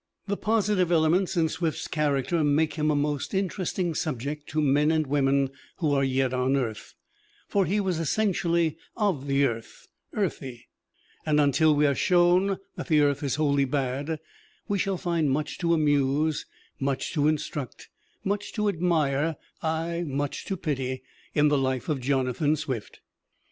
The positive elements in Swift's character make him a most interesting subject to men and women who are yet on earth, for he was essentially of the earth, earthy. And until we are shown that the earth is wholly bad, we shall find much to amuse, much to instruct, much to admire aye, much to pity in the life of Jonathan Swift.